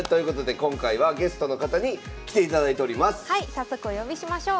早速お呼びしましょう。